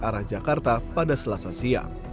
arah jakarta pada selasa siang